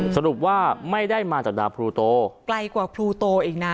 สรุปว่าไม่ได้มาจากดาพลูโตไกลกว่าครูโตอีกนะ